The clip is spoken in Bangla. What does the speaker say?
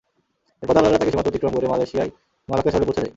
এরপর দালালেরা তাঁকে সীমান্ত অতিক্রম করে মালয়েশিয়ার মালাক্কা শহরে পৌঁছে দেয়।